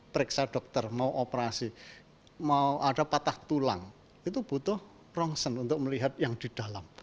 periksa dokter mau operasi mau ada patah tulang itu butuh prongsen untuk melihat yang di dalam